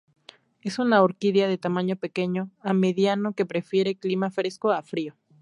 Es una orquídea de tamaño pequeño a mediano, que prefiere clima fresco a frío.